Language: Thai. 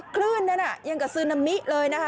คลื่นนั้นยังกับซึนามิเลยนะคะ